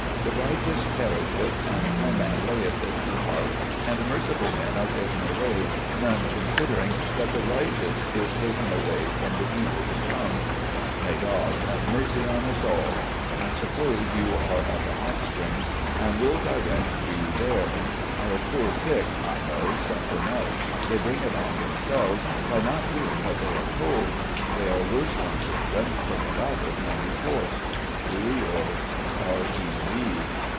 " 'The righteous perisheth and no man layeth it to heart, and merciful men are taken away, none consider ing that the righteous is taken away from the e vil to come. ' May God have mercy on us all ! I suppose you are at 46 RECOLLECTIONS OF GENERAL LEE the Hot Springs and will direct to you there. Our poor sick, I know, suffer much. They bring it on themselves by not doing what they are told. They are worse than (^dren, for the latter can be forced. ... "Truly yours, "R. E. Lee."